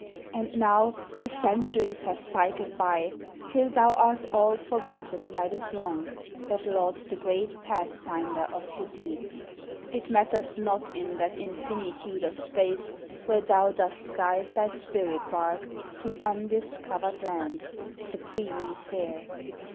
And now the centuries have cycled by, Till thou art all forgotten by the throng That lauds the great Pathfinder of the deep. It matters not in that infinitude Of space, where thou dost guide thy spirit bark To undiscovered lands, supremely fair.